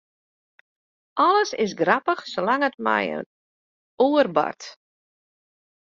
Alles is grappich, salang't it mei in oar bart.